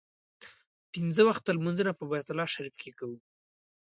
پنځه وخته لمونځونه په بیت الله شریف کې کوو.